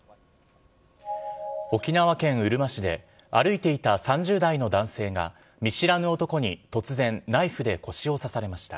沖縄県うるま市で、歩いていた３０代の男性が見知らぬ男に突然、ナイフで腰を刺されました。